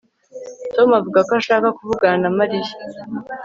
Tom avuga ko ashaka kuvugana na Mariya